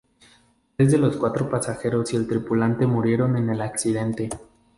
Tres de los cuatro pasajeros y tripulante murieron en el accidente.